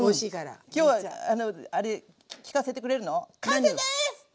きょうはあれ聞かせてくれるの？